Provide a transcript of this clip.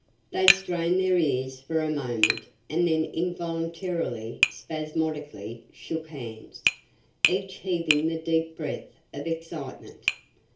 They strained their ears for a moment and then involuntarily, spasmodically shook hands, each heaving the deep breath of excitement.